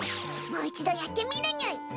もう一度やってみるにゅい。